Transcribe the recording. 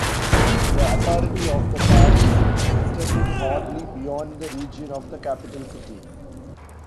The authority of the Caliph extended hardly beyond the region of the capital city.